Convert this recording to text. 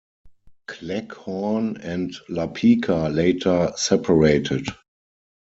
Cleghorn and Lapeka later separated.